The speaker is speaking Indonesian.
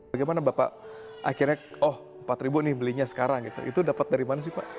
bagaimana bapak akhirnya oh empat ribu nih belinya sekarang gitu itu dapat dari mana sih pak